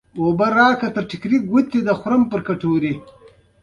خچۍ ګوته یې د مخ په غټه پوزه کې هواره ګډوله.